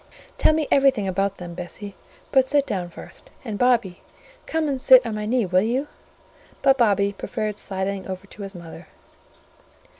Tell me everything about them, Bessie: but sit down first; and, Bobby, come and sit on my knee, will you?" but Bobby preferred sidling over to his mother.